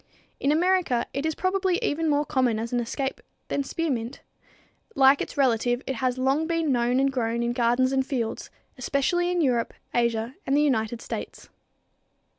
In America it is probably even more common as an escape than spearmint. Like its relative, it has long been known and grown in gardens and fields, especially in Europe, Asia and the United States.